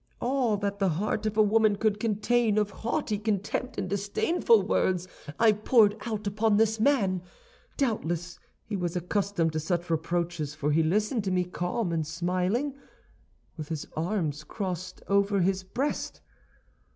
"All that the heart of a woman could contain of haughty contempt and disdainful words, I poured out upon this man. Doubtless he was accustomed to such reproaches, for he listened to me calm and smiling, with his arms crossed over his breast.